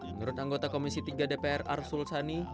menurut anggota komisi tiga dpr arsul sani